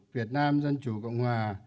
việt nam dân chủ cộng hòa